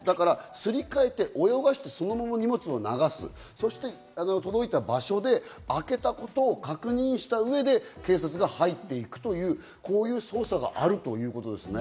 すりかえて泳がせて、そのまま荷物を流す、そして届いた場所で開けたことを確認した上で警察が入っていくというこういう捜査があるということですね。